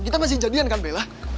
kita masih jadian kan bella